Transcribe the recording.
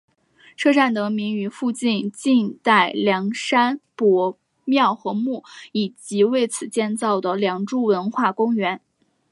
车站得名于附近晋代梁山伯庙和墓以及为此建造的梁祝文化公园。